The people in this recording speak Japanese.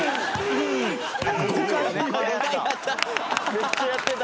めっちゃやってた。